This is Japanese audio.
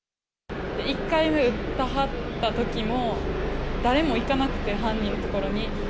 １回目撃ってはったときも誰も行かなくて、犯人の所に。